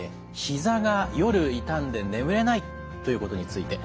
ひざが夜痛んで眠れないということについて。